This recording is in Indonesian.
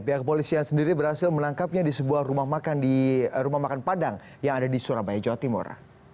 pihak polisi yang sendiri berhasil menangkapnya di sebuah rumah makan padang yang ada di surabaya jawa timur